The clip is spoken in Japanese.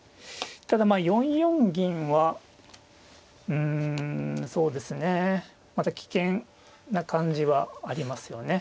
ただまあ４四銀はうんそうですねまた危険な感じはありますよね。